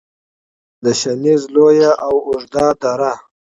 د شنیز لویه او اوږده دره